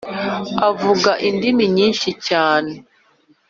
avuga indimi nyinshi cyane